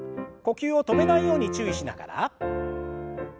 呼吸を止めないように注意しながら。